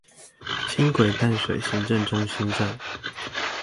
輕軌淡水行政中心站